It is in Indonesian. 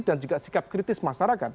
dan juga sikap kritis masyarakat